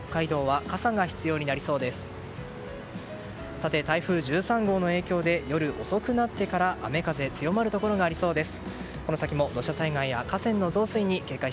さて、台風１３号の影響で夜遅くなってから雨風、強まるところがありそうです。